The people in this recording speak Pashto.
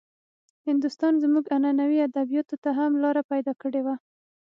هندوستان زموږ عنعنوي ادبياتو ته هم لاره پيدا کړې وه.